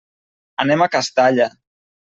Anem a Castalla.